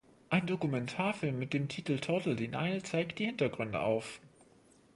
Ein Dokumentarfilm mit dem Titel "Total Denial" zeigt die Hintergründe auf.